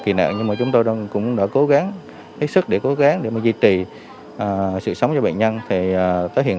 kỳ nặng nhưng chúng tôi cũng đã cố gắng hết sức để cố gắng để duy trì sự sống cho bệnh nhân tới hiện